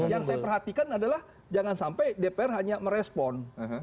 yang saya perhatikan adalah jangan sampai dpr hanya merespon